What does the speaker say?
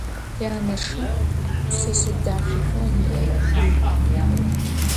Tyaneşşım pşseşse daxexer yi'ex.